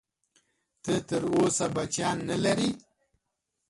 ته تر اوسه بچیان نه لرې؟